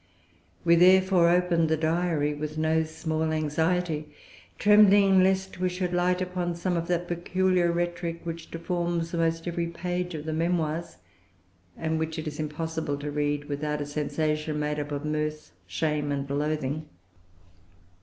We, therefore, opened the Diary with no small anxiety, trembling lest we should light upon some of that peculiar rhetoric which deforms almost every page of the Memoirs, and which it is impossible to read without a sensation made up of mirth, shame, and loathing.